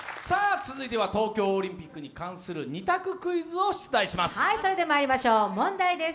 続いては東京オリンピックに関する２択クイズを出題します。